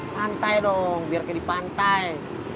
santai dong biar ke di pantai